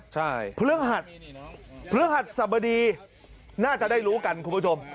ใช่เพลืองหัดเพลืองหัดสบดีน่าจะได้รู้กันคุณผู้ชม